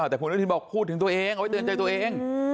แต่คุณอนุทินบอกพูดถึงตัวเองเอาไว้เตือนใจตัวเอง